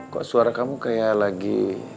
kok suara kamu kayak lagi